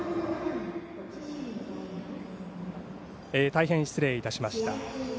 大変失礼いたしました。